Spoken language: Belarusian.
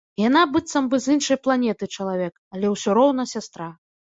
Яна быццам бы з іншай планеты чалавек, але ўсё роўна сястра.